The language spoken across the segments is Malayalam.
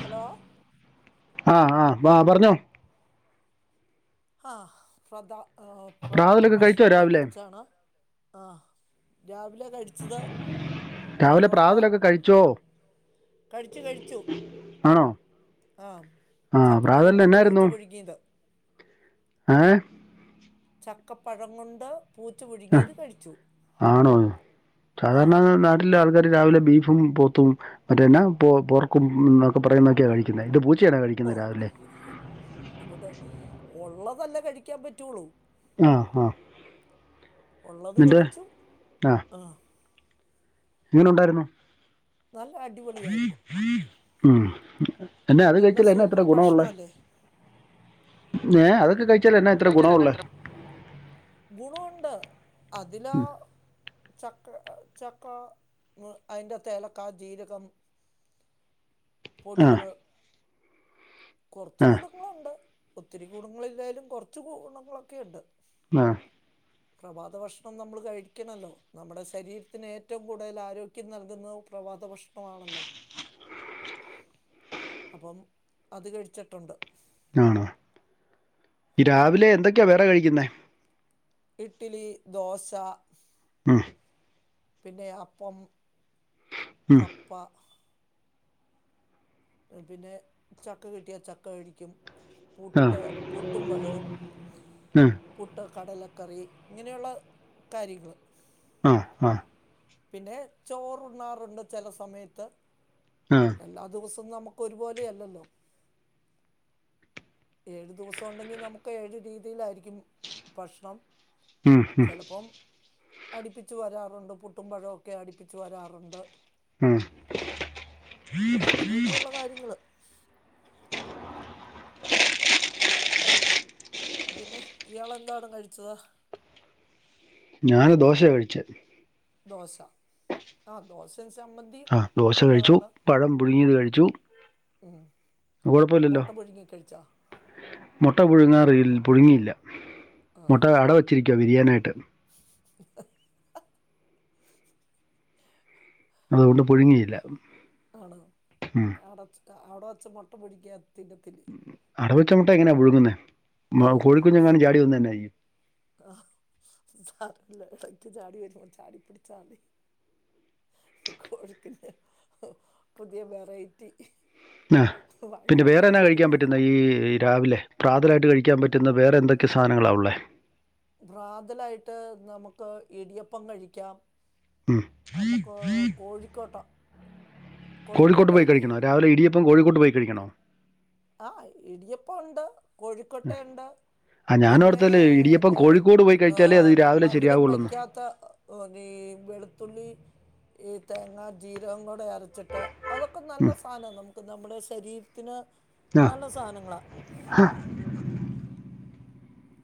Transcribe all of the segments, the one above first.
ഹലോ ആഹ് ആഹ് ആ പറഞ്ഞോ ആഹ് പ്രധ പ്രഭാത പ്രാതലൊക്കെ കഴിച്ചോ ഭക്ഷണത്തെ രാവിലെ കുറിച്ചാണ് ആ രാവിലെ കഴിച്ചത് രാവിലെ ബറോട്ട പ്രാതലൊക്കെ കഴിച്ചോ കഴിച്ചു കഴിച്ചു ആണോ ആഹ് ആ ചക്കപ്പഴം പ്രാതലിന് കൊണ്ട് പൂച്ച പൊഴുകിയത് ഏയ് ചക്കപ്പഴം കൊണ്ട് പൂച്ച ആ പുഴുങ്ങിയത് കഴിച്ചു ആണോ ആ സാധാരണ നാട്ടില ആൾക്കാര് രാവിലെ ബീഫും പോത്തും മറ്റേന്ന പറയുന്നക്കെയാണ് കഴിക്കുന്നത് ഇത് പു ഓ ഇത് കൂട്ടു ഉള്ളതല്ലേ കഴിക്കാൻ പറ്റുള്ളൂ ആഹ് ആഹ് ഉള്ളത് നിന്റെ കഴിച്ചു ആഹ് ആ എങ്ങന ഉണ്ടാരുന്നു നല്ല അടിപൊളിയാരുന്നു പിന്നെ അത് കഴിച്ചാൽ എന്ന ഇത്ര ഗുണ ഉള്ളെ ഏ അതൊക്കെ കഴി ഇത് കഴിച്ചാൽഎന്നാ എത്ര ഗുണോണ്ട് അതിലാ ഉം. ചക് എഹ് ചക്ക അയിന്റെ അത്‌ എലക്കാ, ജീരകം ആ പൊടികള് കൊറച്ച് ആ ഗുണങ്ങളുണ്ട് ഒത്തിരി ഗുണങ്ങളൾല്ലേലും കൊർച്ച് ഗുണങ്ങളൊക്കെ ഉണ്ട് ആഹ് പ്രഭാത ഭക്ഷണം നമ്മൾ കഴിക്കണല്ലോനമ്മടെ ശരീരത്തിന് ഏറ്റവും കൂടുതൽ ആരോഗ്യം നൽകുന്ന പ്രഭാത ഭക്ശ് പവാണല്ലോ അപ്പം അത് കഴിച്ചിട്ടുണ്ട് ആണോ ഈ പിന്നെ രാവിലെ എന്തൊക്കെയാ വേറെ കഴിക്കുന്നേ? ഇട്ട്ലി ദോശ ഉം പിന്നെ അപ്പം ഉം കപ്പ പിന്നെ ചക്ക കിട്ടിയാ ചക്ക കഴിക്കും ആ പുട്ട് പൂട്ടും പഴവും ഉം പുട്ട് കടല കറി ഇങ്ങനെയുള്ള കാര്യങ്ങൾ ആഹ് ആഹ് പിന്നെ ചോറണ്ണാറുണ്ട് ചില സമയത്ത് ആ എല്ലാ ദിവസവും നമുക്ക് ഒരുപോലെ അല്ലല്ലോ ഏഴു ദിവസം ഉണ്ടെങ്കിൽ നമുക്ക് ഏഴു രീതിയിലായിരിക്കും ഭക്ഷണം മ്മ്ഹ് മ്മ്ഹ് അടിപ്പിച്ചു വരാറുണ്ട് പു ട്ടും പഴമൊക്കെ അടിപ്പിച്ചു വരാറുണ്ട് ഉം. അങ്ങനെയൊക്കെയള്ള കാര്യങ്ങള് പിന്നെ ഇയാളെന്താണ് കഴിച്ചത് ഞാന് ദോശയാ കഴിച്ചെ ദോശ ആഹ് ദോശ ആഹ് ദോശ കഴിച്ചു പഴം പുഴുങ്ങിയത് കഴിച്ചു ഉം. അപ്പം കൊഴപ്പില്ലല്ലോ മുട്ട പുഴുങ്ങി കഴിച്ചാ മുട്ട പുഴുങ്ങാറില്ല പുഴുങ്ങിയില്ല ആ മുട്ടാ അട വെച്ചിരിക്ക് ക്കെ വിരിയാനായിട്ട് അതുകൊണ്ട് പുഴുങ്ങിയില്ല ആണോ ഉം. അവിട അവിടെ വച്ച മുട്ട പിടിക്കാൻ അടവെച്ചമുട്ട എങ്ങനാ പുഴു ന്നെ ആ മ കോഴി കുഞ്ഞ് എങ്ങാനും ചാടി വന്നാ എന്നാ ചെയ്യും ഇടക്കിടെക്ക് ചാടി വരുമ്പോ ചാടി പിടിച്ചാ മതി കോഴി കുഞ്ഞ് പുതിയ വെറൈറ്റി ആ പിന്നെ വായിന്ന് വേറെ എന്നാ കഴിക്കാൻ കോഴിക്കുഞ്ഞ് പറ്റുന്നേ ഈ രാവിലെ പ്രാതലായിട്ട് കഴിക്കാൻ പറ്റുന്ന വേറെ എന്തൊക്കെ സാധനങ്ങളാ ഒള്ളേ പ്രാതലായിട്ട് നമുക്ക് ഇടിയപ്പം കഴിക്കാം നമുക്ക് കോഴിക്കോട്ടോ കോഴിക്കോട്ട് പോയി കഴിക്കണോ രാവിലെ ഇടിയപ്പ് ഇപ്പം കോഴിക്കോട്ട് പോയി കഴിക്കണോ ആഹ് ഇടിയപ്പം ഒണ്ട് കോഴിക്കോട്ട ഉണ്ട് ആ പിന്നെ ഞാനോർത്തല്ലേ ഇടിയപ്പം എന്നാ കോഴിക്കോട് പോയി കഴിച്ചാലേ അത് രാവിലെ മധുരം ശരിയാവുള്ളൂ വെക്കാത്ത ഈ വെളുത്തുള്ളി ഈ തേങ്ങാ ജീരവും കൂടെ അരച്ചിട്ട് അതൊക്കെ നല്ല സാന നമുക്ക് നമ്മുടെ ശരീരത്തിന് ആ നല്ല സാധനങ്ങളാ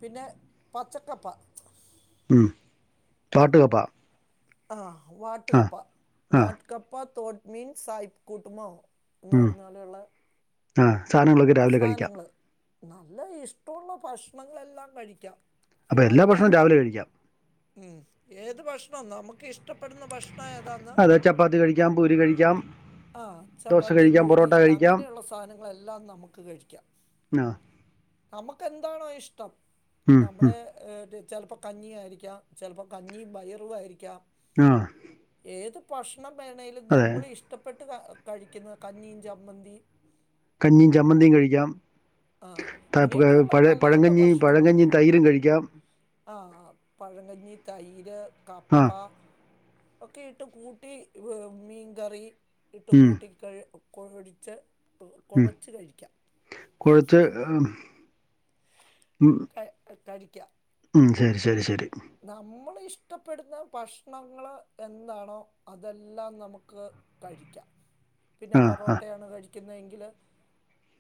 പിന്നെ പച്ചക്കപ്പ ഉം വാട്ടുകപ്പ ആഹ് വാട്ട് കപ്പ ആ വാട്ട് കപ്പ ത് തോട്ട്മീൻ സായിപ് കൂട്ടുമോ എന്ന് പറഞ്ഞ പോലെയുള്ള ആഹ് സാധനങ്ങളൊക്കെ രാവിലെ കഴിക്കാം സാധനങ്ങൾ നല്ല ഇഷ്ടമുള്ള ഭക്ഷണങ്ങളെല്ലാം കഴിക്കാം അപ്പൊ എല്ലാ രാവിലെ ഭക്ഷണവും കഴിക്കാം ഉം ഏത് ഭക്ഷണാ നമുക്ക് ക്കെ ഇഷ്ടപ്പെടുന്ന ഭക്ഷ ഏതാന്ന് അതെ ചപ്പാത്തി കഴിക്കാം പൂരി കഴിക്കാം ആഹ് ദോശ ചപ്പാത്തി കഴിക്കാം ഭൂരി പൊറോട്ട കഴിക്കാം അങ്ങനെയുള്ള സാധനങ്ങളെല്ലാം നമുക്ക് ക്കെ കഴിക്കാം ആ നമുക്കന്താണോ ഇഷ് [unintelligible] ഉം ഉം നമ്മുടെ [unintelligible] ചിലപ്പോൾ കഞ്ഞിയ ആയിരിക്കാം ചിലപ്പോൾ കഞ്ഞിയും പയറുവായിരിക്കാം ആഹ് ഏത് ഭാഷ ണമേണയിൽ നമ്മൾ ഇഷ്ടപ്പെട് കഴിക്കുന്ന കഞ്ഞിയും ചമ്മന്തി കഞ്ഞിയും ചമ്മന്തിയും കഴിക്കാം. ആഹ് ത- പ- ഇങ്ങനെയൊക്കെയൊള്ള പഴ നല്ല നല്ല പഴങ്കഞ്ഞിയും ഭക്ഷണങ്ങള് പഴങ്കഞ്ഞിയും തൈരും കഴിക്കാം ആഹ് പഴങ്കഞ്ഞി തൈ ര് ആ കപ്പ ഒക്കെ ഇട്ട് കൂട്ടി ഏഹ് മീൻകറി ഇട്ട് ഉം കൂട്ടി കഴി ക്കൊഴിച്ച് ഉം കൊഴച്ച് കഴിക്കാം. കുഴച്ച് ഏഹ് [unintelligible] കഴിക്കാം ശെരി ശെരി ശെരി നമ്മൾ ഇഷ്ടപ്പെടുന്ന ഭക്ഷണങ്ങള് എന്താണോ അതെല്ലാം നമുക്ക് കഴിക്കാം. പിന്നെ ആ ആ പൊറോട്ടയാണ് കഴി ക്കുന്നതെങ്കില്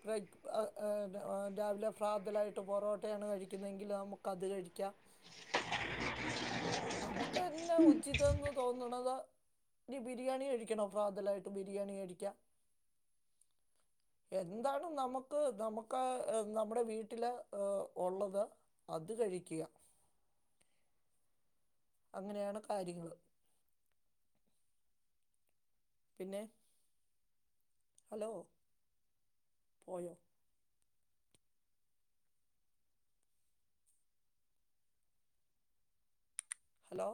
[unintelligible] ഏഹ് ഏഹ് രാവിലെ ഫ്രാതലായിട്ട് പൊറോട്ടയാണ് കഴിക്കുന്നെങ്കില് നമുക്കത് കഴിക്കാം. നമുക്കെന്നാ ഉചിതെന്ന് തോന്നണത് ഇനി ബിരിയാണി കഴിക്കണോ പ്രാതലായിട്ട്, ബിരിയാണി കഴിക്കാം, എന്താണ് നമുക്ക് നമുക്ക് ഏഹ് നമ്മുടെ വീട്ടില് ഏഹ് ഒള്ളത് അത് കഴിയ്ക്കാ. അങ്ങനെയാണ് കാര്യങ്ങള്. പിന്നെ ഹലോ പോയോ? Hello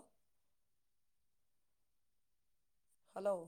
hello